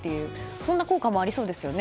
そんな効果もありそうですよね。